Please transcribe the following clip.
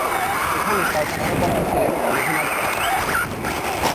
এখানে তার সহপাঠী ছিলেন মেঘনাদ সাহা।